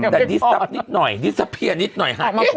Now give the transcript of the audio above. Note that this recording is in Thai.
ดีทรัพย์นิดหน่อย